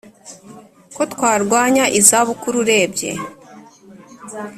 ko twarwanya izabukuru urebye